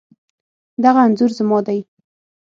دغه انځور زما دی